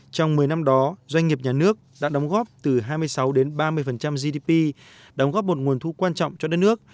trong một mươi năm đó doanh nghiệp nhà nước đã đóng góp từ hai mươi sáu đến ba mươi gdp đóng góp một nguồn thu quan trọng cho đất nước